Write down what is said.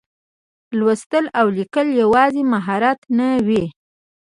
لوستل او لیکل یوازې مهارت نه و.